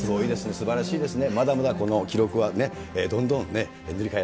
すばらしいですね。